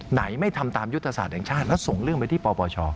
ไม่ทำตามยุทธศาสตร์แห่งชาติแล้วส่งเรื่องไปที่ปปช